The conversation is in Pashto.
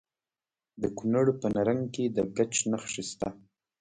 د کونړ په نرنګ کې د ګچ نښې شته.